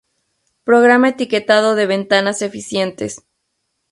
Programa etiquetado de ventanas eficientes